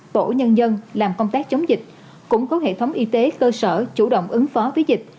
tổ nhân dân làm công tác chống dịch củng cố hệ thống y tế cơ sở chủ động ứng phó với dịch